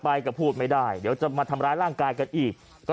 ไปก็พูดไม่ได้เดี๋ยวจะมาทำร้ายร่างกายกันอีกก็